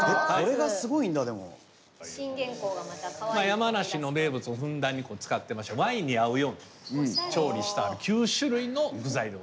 山梨の名物をふんだんに使ってましてワインに合うように調理してある９種類の具材でございます。